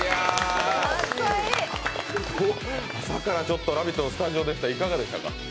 朝から「ラヴィット！」のスタジオでしたが、いかがでしたか？